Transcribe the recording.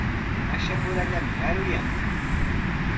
Mashapurallami aruyan.